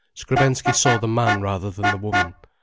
Skrebensky saw the man rather than the woman.